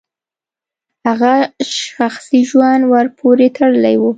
هغه شخصي ژوند ورپورې تړلی و.